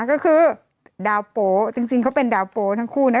ก็คือดาวโป๊จริงเขาเป็นดาวโปทั้งคู่นะ